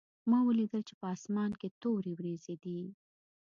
ما ولیدل چې په اسمان کې تورې وریځې دي